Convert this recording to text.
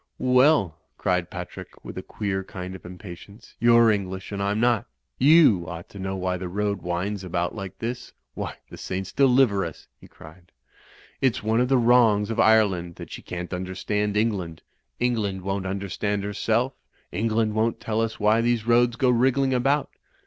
"Well," cried Patrick, with a queer kind of im patience, "you're English and I'm not. You ought to know why the road winds about like this. Why, the Saints deliver us!" he cried, "it's one of the wrongs of Ireland that she can't understand England. Eng land won't tmderstand herself, England won't tcU us why these roads go wriggling about.